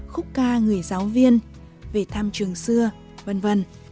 khúc ca người giáo viên về thăm trường xưa v v